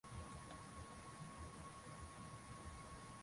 Baraza la watu wote wa Afrika mjini Accra Ghana katika mkutano huo wa mwezi